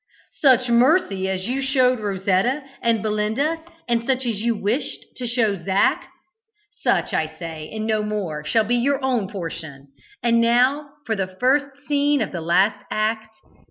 "Such mercy as you showed Rosetta and Belinda, and such as you wished to show Zac. Such, I say, and no more, shall be your own portion. And now for the first scene of the last act.